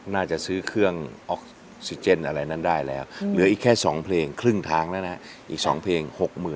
น่าจะซื้อเครื่องออกซิเจนอะไรนั้นได้แล้วเหลืออีกแค่๒เพลงครึ่งทางแล้วนะอีก๒เพลง๖๐๐๐